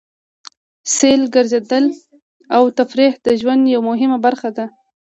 سیل، ګرځېدل او تفرېح د ژوند یوه مهمه برخه ده.